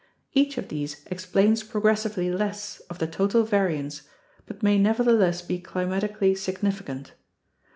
Each of these explains progressively less of the total variance but may nevertheless be climatically significant.